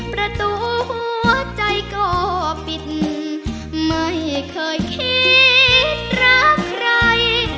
ประตูหัวใจก็ปิดไม่เคยคิดรักใคร